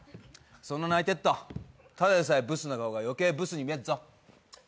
そんな泣いてっとただでさえブスな顔が余計ブスに見えっぞ。